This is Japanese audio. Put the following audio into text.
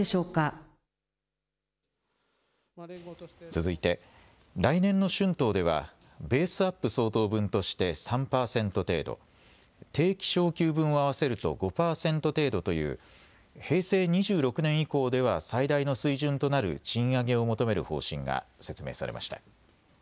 続いて来年の春闘ではベースアップ相当分として３％程度、定期昇給分を合わせると５％程度という平成２６年以降では最大の水準となる賃上げを求める方針が説明されました。